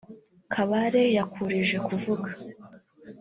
Kabare yakurije kuvuga